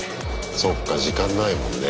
そっか時間ないもんね。